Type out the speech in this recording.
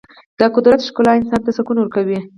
د قدرت ښکلا انسان ته سکون ورکوي.